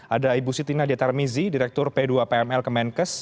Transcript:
ada ibu siti nadia tarmizi direktur p dua pml kemenkes